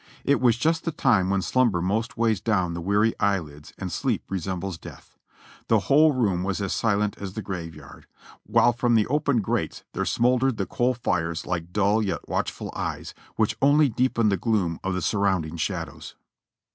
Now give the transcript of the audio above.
It was just the time when slumber most weighs down the weary eye lids and sleep resembles death. The whole room was as silent as the graveyard ; while from the open grates there smouldered the coal fires like dull yet watchful eyes, which only deepened the gloom of the surrounding shadows.